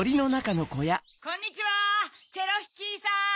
こんにちはチェロヒキーさん！